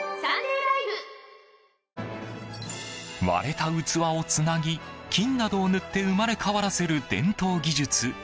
割れた器をつなぎ金などを塗って生まれ変わらせる伝統技術